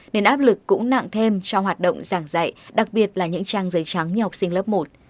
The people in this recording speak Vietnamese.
nên áp lực cũng nặng thêm cho hoạt động giảng dạy đặc biệt là những trang giấy trắng như học sinh lớp một